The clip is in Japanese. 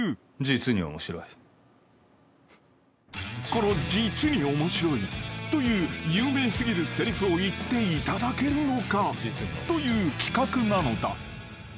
［この「実に面白い」という有名すぎるせりふを言っていただけるのかという企画なのだ］